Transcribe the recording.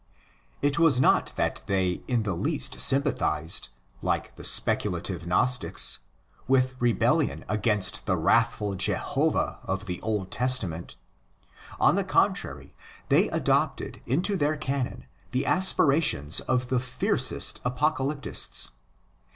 It was not that they in the least sympathised, like the speculative Gnostics, with rebellion against the wrathful Jehovah of the Old Testament. On the con trary, they adopted into their canon the aspirations of the fiercest apocalyptists.